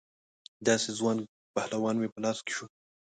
داسې ځوان پهلوان مې په لاس کې شو.